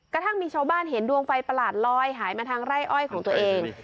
กระทั่งมีชาวบ้านเห็นดวงไฟประหลาดลอยหายมาทางไร่อ้อยของตัวเอง